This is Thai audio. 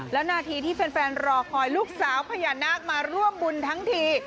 แล้วนาทีที่แฟนรอคอยลูกสาวพญานาคมาร่วมบุญทั้งที